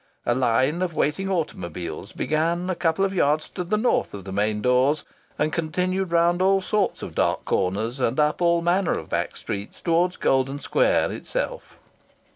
A line of waiting automobiles began a couple of yards to the north of the main doors and continued round all sorts of dark corners and up all manner of back streets towards Golden Square itself.